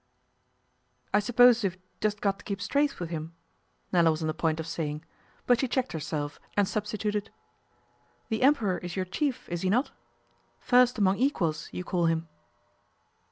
'I suppose you've just got to keep straight with him?' Nella was on the point of saying, but she checked herself and substituted, 'The Emperor is your chief, is he not? "First among equals", you call him.